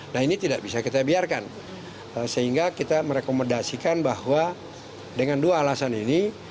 nah ini tidak bisa kita biarkan sehingga kita merekomendasikan bahwa dengan dua alasan ini